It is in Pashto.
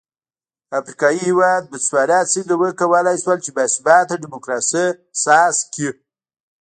افریقايي هېواد بوتسوانا څنګه وکولای شول چې با ثباته ډیموکراسي ساز کړي.